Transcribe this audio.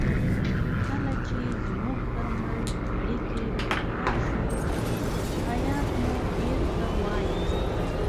کله چې زموږ ترمنځ اړیکې بهتر شوې هیات مو بیرته وایست.